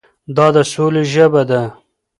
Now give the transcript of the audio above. دا د سولې ژبه ده.